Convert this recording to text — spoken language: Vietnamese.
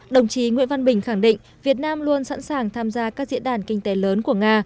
đồng chí nguyễn văn bình khẳng định việt nam luôn sẵn sàng tham gia các diễn đàn kinh tế lớn của nga